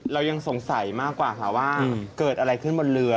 เรายังสงสัยมากกว่าค่ะว่าเกิดอะไรขึ้นบนเรือ